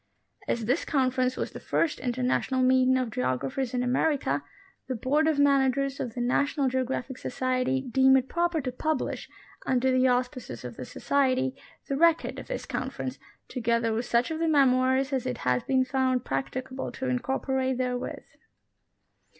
As this Conference was the first international meeting of geographers in America, the Board of Managers of the National Geographic Society deem it proper to publish, under the auspices of the Society, the record of this Conference, together with such of the memoirs as it has been found practicable to incorporate therewith.